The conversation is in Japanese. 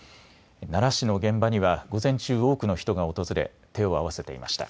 奈良市の現場には午前中、多くの人が訪れ手を合わせていました。